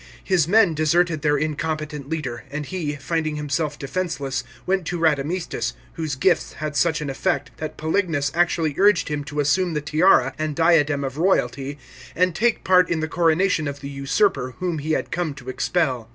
His men deserted their incompetent leader, and he, finding himself defenceless, went to Radamistus, whose gifts had such an effect that Paelignus actually urged him to assume the tiara and diadem of royalty, and took part in the coronation of the usurper whom he had come to expel.